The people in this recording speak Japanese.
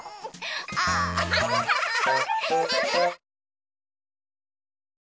アハハハハ！